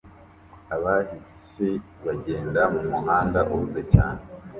Abahisi bagenda mumuhanda uhuze cyane